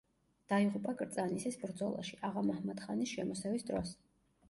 დაიღუპა კრწანისის ბრძოლაში, აღა-მაჰმად-ხანის შემოსევის დროს.